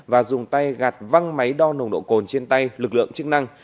và dùng tay gạt văng máy đo nồng độ cồn trên tay lực lượng chức năng